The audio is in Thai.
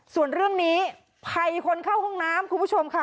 ส่วนเรื่องนี้ภัยคนเข้าห้องน้ำคุณผู้ชมค่ะ